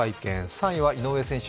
３位は井上選手